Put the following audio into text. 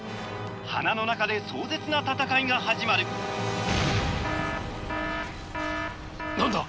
鼻の中で壮絶な戦いが始まるなんだ